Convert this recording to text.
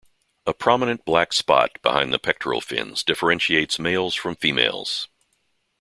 A prominent black spot behind the pectoral fins differentiates males from females.